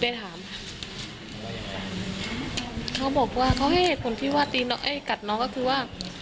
เลี้ยงเขาบอกว่าเขาให้เหตุผลที่วาดที่เรากลัดน้องก็คือว่า